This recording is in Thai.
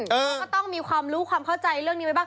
เขาก็ต้องมีความรู้ความเข้าใจเรื่องนี้ไว้บ้าง